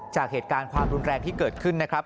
จากเหตุการณ์ความรุนแรงที่เกิดขึ้นนะครับ